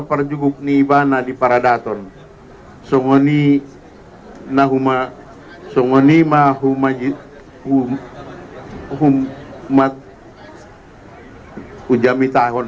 perjubu neva nattypara daton songoni nahuma songonima humeji umum mat wenjadi tangon